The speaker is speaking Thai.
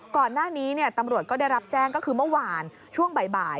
ก่อนหน้านี้ตำรวจก็ได้รับแจ้งก็คือเมื่อวานช่วงบ่าย